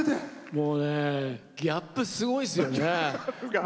もうねギャップすごいっすよね。